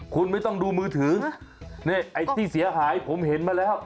คุณไม่ต้องดูมือถือนี่ไอ้ที่เสียหายผมเห็นมาแล้ว